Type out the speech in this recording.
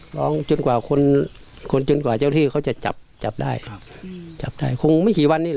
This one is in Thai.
ก็ร้องจนกว่าคนจนกว่าเจ้าที่เขาจะจับจับได้คงไม่กี่วันเร็ว